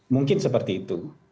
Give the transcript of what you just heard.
mungkin seperti itu